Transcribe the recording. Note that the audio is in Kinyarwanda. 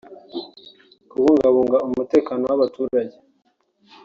kubungabunga umutekano w’abaturage